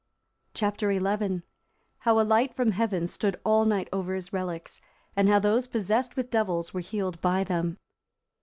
Chap. XI. How a light from Heaven stood all night over his relics, and how those possessed with devils were healed by them.